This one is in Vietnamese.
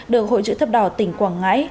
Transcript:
được hội chữ thập đỏ tỉnh quảng ngãi